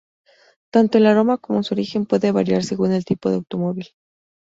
Tanto el aroma como su origen puede variar según el tipo de automóvil.